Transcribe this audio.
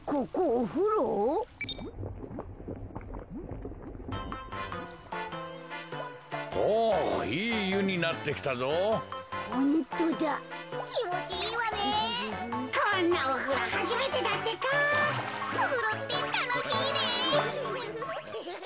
おふろってたのしいねウフフ。